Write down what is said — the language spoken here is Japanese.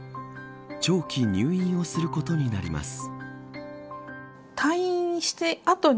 長期入院をすることになります。